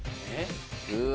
うわ。